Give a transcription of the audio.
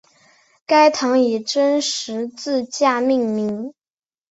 该堂以真十字架命名。